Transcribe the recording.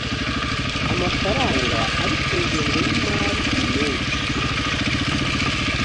amafaranga ari ku ngengo y imari nimenshi